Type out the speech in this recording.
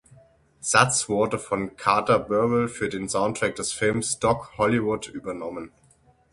Satz wurde von Carter Burwell für den Soundtrack des Films Doc Hollywood übernommen.